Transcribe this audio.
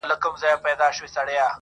"د مثقال د ښو جزا ورکول کېږي-